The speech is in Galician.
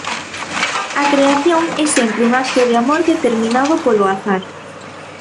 A creación é sempre un acto de amor determinado polo azar.